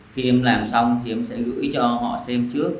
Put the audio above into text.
khi em làm xong thì em sẽ gửi cho họ xem trước